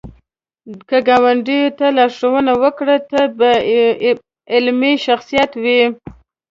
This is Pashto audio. که ګاونډي ته لارښوونه وکړه، ته به علمي شخصیت وې